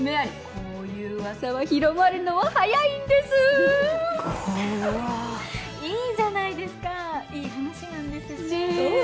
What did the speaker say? こういう噂は広まるのは早いんです怖っいいじゃないですかいい話なんですしねえ